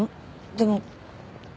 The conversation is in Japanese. でも。